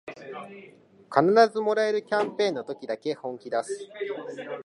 必ずもらえるキャンペーンの時だけ本気だす